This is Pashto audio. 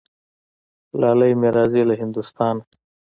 لالی مي راځي له هندوستانه